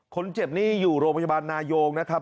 คนเจ็บนี่อยู่โรงพยาบาลนายงนะครับ